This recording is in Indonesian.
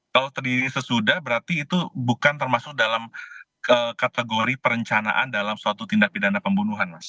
kalau terjadi sesudah berarti itu bukan termasuk dalam kategori perencanaan dalam suatu tindak pidana pembunuhan mas